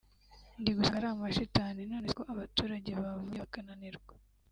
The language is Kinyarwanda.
ndigusanga ari amashitani none se ko abaturage bavuye bakananirwa